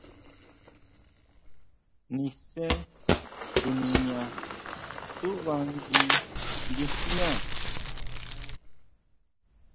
Nise tuniña tsúʼba ngui guijñá.